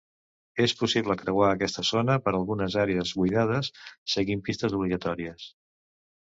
És possible creuar aquesta zona per algunes àrees buidades, seguint pistes obligatòries.